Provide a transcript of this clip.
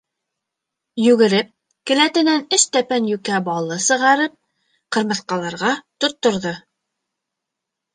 Йүгереп, келәтенән өс тәпән йүкә балы сығарып, ҡырмыҫҡаларға тотторҙо.